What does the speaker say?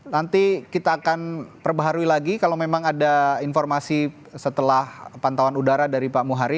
nanti kita akan perbaharui lagi kalau memang ada informasi setelah pantauan udara dari pak muhari